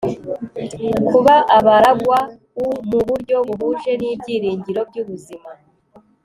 kuba abaragwa u mu buryo buhuje n ibyiringiro by ubuzima